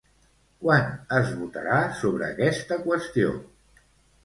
Quan es votarà sobre aquesta qüestió?